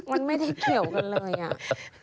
มันไม่ได้เขียวกันเลย